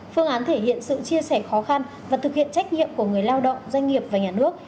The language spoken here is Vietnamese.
phương án thể hiện sự chia sẻ khó khăn và thực hiện trách nhiệm của người lao động doanh nghiệp và nhà nước